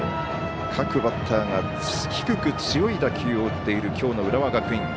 各バッターが低く強い打球を打っているきょうの浦和学院。